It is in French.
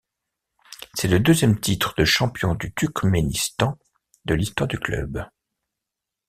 C'est le deuxième titre de champion du Turkménistan de l'histoire du club.